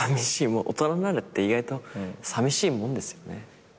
大人になるって意外とさみしいもんですよね。